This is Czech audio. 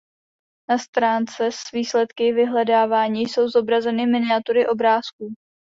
Na stránce s výsledky vyhledávání jsou zobrazeny miniatury obrázků.